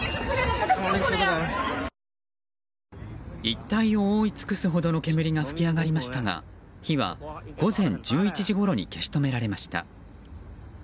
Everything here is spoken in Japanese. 一帯を覆い尽くすほどの煙が噴き上がりましたが火は午前１１時ごろに消し止められました。